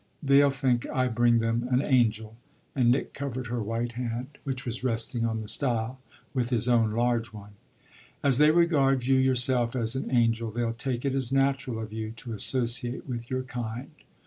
"They'll think I bring them an angel." And Nick covered her white hand, which was resting on the stile, with his own large one. "As they regard you yourself as an angel they'll take it as natural of you to associate with your kind."